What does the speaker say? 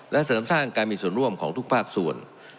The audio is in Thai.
และเสริมสร้างการมีส่วนร่วมของทุกภาคส่วน